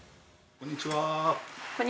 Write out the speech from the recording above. こんにちは。